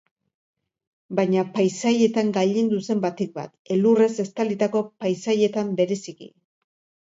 Baina paisaietan gailendu zen batik bat, elurrez estalitako paisaietan bereziki.